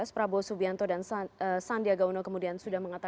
prabowo subianto dan sandiaga uno kemudian sudah mengatakan